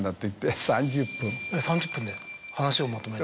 ３０分で話をまとめて。